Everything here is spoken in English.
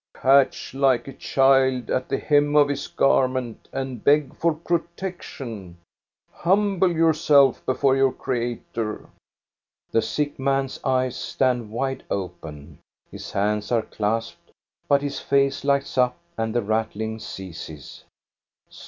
Catch like a child at the hem of his garment and beg for protec tion ! Humble yourself before your Creator! " The sick man's eyes stand wide open, his hands are clasped, but his face lights up and the rattling ceases.